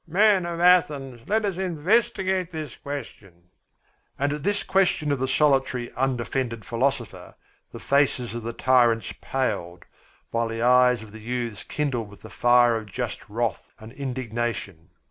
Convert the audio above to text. Men of Athens, let us investigate this question!" And at this question of the solitary, undefended philosopher, the faces of the tyrants paled, while the eyes of the youths kindled with the fire of just wrath and indignation.